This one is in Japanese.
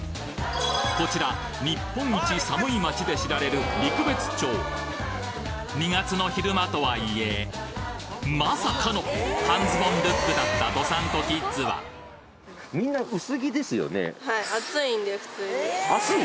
こちら日本一寒い町で知られる２月の昼間とはいえまさかの半ズボンルックだった道産子キッズは暑い？